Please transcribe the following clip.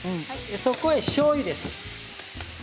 そこで、しょうゆです。